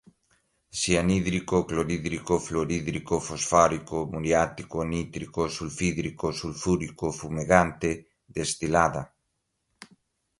cianídrico, clorídrico, fluorídrico, fosfórico, muriático, nítrico, sulfídrico, sulfúrico, fumegante, destilada